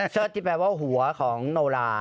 เสิร์ชที่แปลว่าหัวของโนลา